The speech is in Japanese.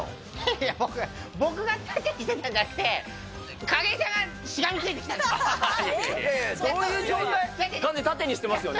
いや、僕が盾にしてたんじゃなくて、景井さんがしがみついていやいや、盾にしてますよね。